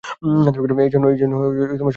এ জন্য সরকারকে কঠোর হতে হবে।